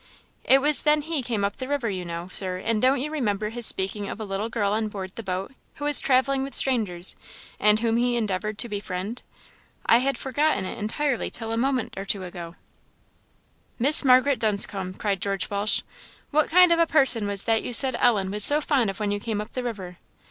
"It was then he came up the river, you know, Sir; and don't you remember his speaking of a little girl on board the boat, who was travelling with strangers, and whom he endeavoured to befriend? I had forgotten it entirely till a minute or two ago." "Miss Margaret Dunscombe!" cried George Walsh, "what kind of a person was that you said Ellen was so fond of when you came up the river?"